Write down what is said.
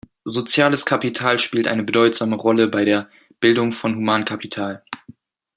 Soziales Kapital spielt eine bedeutsame Rolle bei der Bildung von Humankapital.